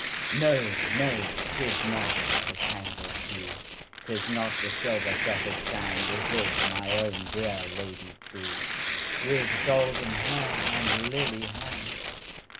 No! no! 'tis not the tangled dew,'Tis not the silver fretted sand, It is my own dear Lady trueWith golden hair and lily hand!